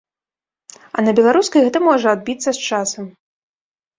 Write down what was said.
А на беларускай гэта можа адбіцца з часам.